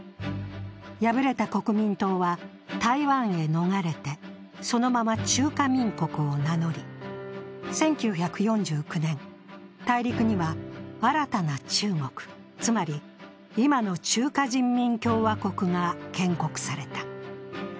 敗れた国民党は台湾へ逃れてそのまま中華民国を名乗り１９４９年、大陸には新たな中国、つまり今の中華人民共和国が建国された。